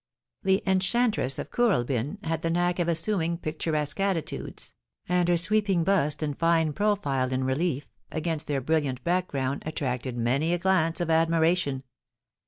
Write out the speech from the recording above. The Enchantress of Kooralbyn had the knack of assuming picturesque attitudes, and her sweeping bust and fine profile in relief against their brilliant background attracted many a glance of admiration.